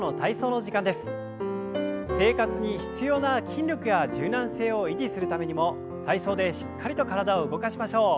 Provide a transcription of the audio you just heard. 生活に必要な筋力や柔軟性を維持するためにも体操でしっかりと体を動かしましょう。